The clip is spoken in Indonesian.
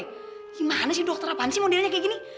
gimana sih dokter apaan sih modelnya kayak gini